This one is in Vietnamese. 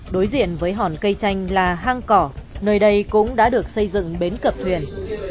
đối diện với hòn cây chanh là hang cỏ nơi đây cũng đã được xây dựng bến cập thuyền